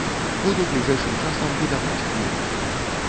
Буду бліжэйшым часам выдаваць кнігу.